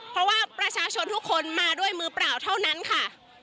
เพราะว่าประชาชนทุกคนมาด้วยมือเปล่าเท่านั้นค่ะ